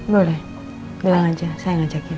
boleh bilang aja saya ngajakin